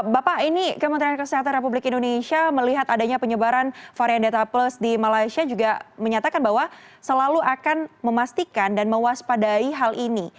bapak ini kementerian kesehatan republik indonesia melihat adanya penyebaran varian delta plus di malaysia juga menyatakan bahwa selalu akan memastikan dan mewaspadai hal ini